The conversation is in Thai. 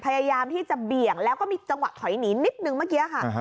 พยายามที่จะเบี่ยงแล้วก็มีจังหวะถอยหนีนิดนึงเมื่อกี้ค่ะ